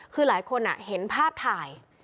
คือหลายคนเห็นภาพถ่าย